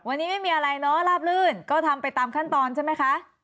วันนี้ไม่มีอะไรเนาะราบลื่นก็ทำไปตามขั้นตอนใช่ไหมคะ